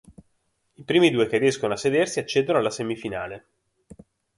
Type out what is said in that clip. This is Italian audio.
I primi due che riescono a sedersi accedono alla semifinale.